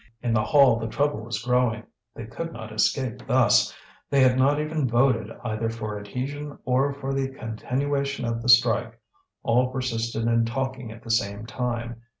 In the hall the trouble was growing. They could not escape thus; they had not even voted either for adhesion or for the continuation of the strike. All persisted in talking at the same time.